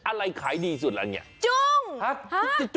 อะไรขายดีสุดล่ะนี่